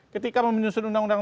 ketika menyusun undang undang